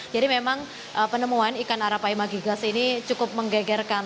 jadi memang penemuan ikan arapaima gigas ini cukup menggegirkan